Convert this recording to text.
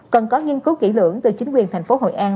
cần có nghiên cứu kỹ lưỡng từ chính quyền thành phố hội an